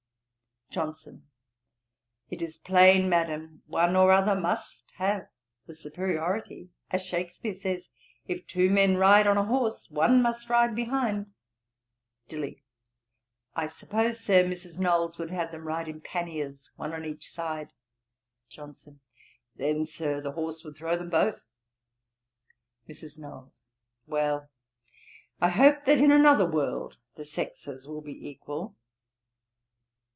JOHNSON. 'It is plain, Madam, one or other must have the superiority. As Shakspeare says, "If two men ride on a horse, one must ride behind."' DILLY. 'I suppose, Sir, Mrs. Knowles would have them to ride in panniers, one on each side.' JOHNSON. 'Then, Sir, the horse would throw them both.' MRS. KNOWLES. 'Well, I hope that in another world the sexes will be equal.'